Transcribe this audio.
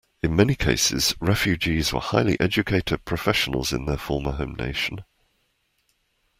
In many cases, Refugees were highly educated professionals in their former home nation.